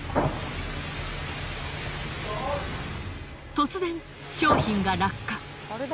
突然商品が落下。